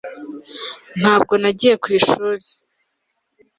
ntabwo nagiye ku ishuri